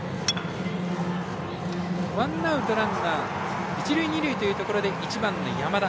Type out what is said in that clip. ワンアウト、ランナー一塁二塁というところで１番の山田。